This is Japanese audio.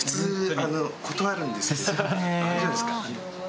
あれじゃないですか？